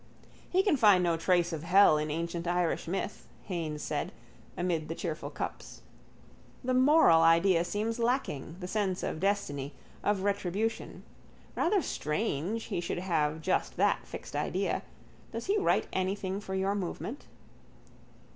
—He can find no trace of hell in ancient Irish myth, Haines said, amid the cheerful cups. The moral idea seems lacking, the sense of destiny, of retribution. Rather strange he should have just that fixed idea. Does he write anything for your movement?